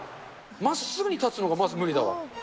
まっすぐに立つのがまず無理だわ。